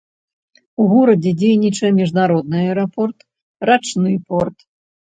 У горадзе дзейнічае міжнародны аэрапорт, рачны порт.